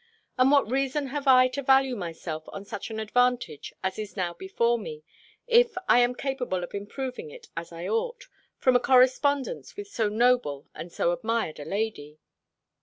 And what reason have I to value myself on such an advantage as is now before me, if I am capable of improving it as I ought, from a correspondence with so noble and so admired a lady!